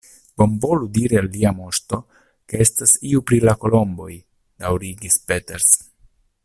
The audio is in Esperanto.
Bonvolu diri al Lia Moŝto, ke estas iu pri la kolomboj, daŭrigis Peters.